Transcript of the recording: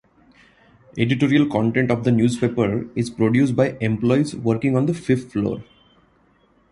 Editorial content of the newspaper is produced by employees working on the fifth floor.